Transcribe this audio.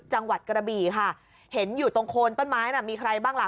จังหวัดกระบี่ค่ะเห็นอยู่ตรงโคนต้นไม้น่ะมีใครบ้างล่ะ